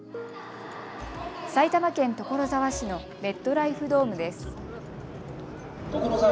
埼玉県所沢市のメットライフドームです。